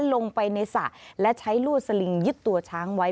ลงไปในสระและใช้ลวดสลิงยึดตัวช้างไว้